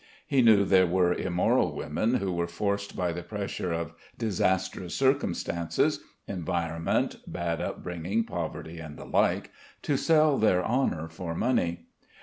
He knew there were immoral women who were forced by the pressure of disastrous circumstances environment, bad up bringing, poverty, and the like to sell their honour for money.